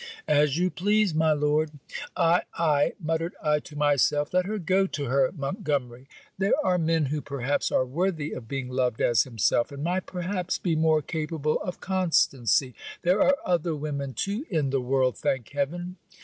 'As you please, my Lord.' 'Ay! ay!' muttered I to myself. 'Let her go to her Montgomery! There are men who perhaps are worthy of being loved as himself, and might perhaps be more capable of constancy. There are other women too in the world, thank heaven!